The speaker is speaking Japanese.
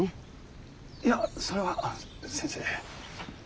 いやそれは先生。